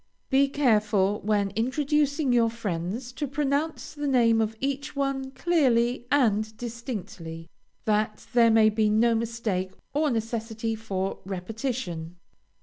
Be careful, when introducing your friends, to pronounce the name of each one clearly and distinctly, that there may be no mistake or necessity for repetition.